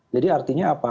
jadi artinya apa